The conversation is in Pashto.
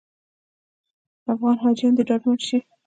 افغان حاجیان دې ډاډمن شي.